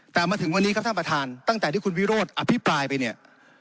แต่มาถึงวันนี้ครับท่านประธานตั้งแต่ที่คุณวิโรธอภิปรายไปเนี่ย